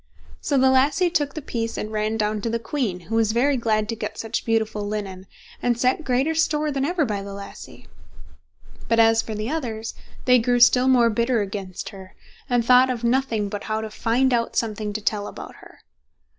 So the lassie took the piece and ran down to the queen, who was very glad to get such beautiful linen, and set greater store than ever by the lassie. But as for the others, they grew still more bitter against her, and thought of nothing but how to find out something to tell about her.